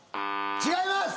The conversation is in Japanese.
違います！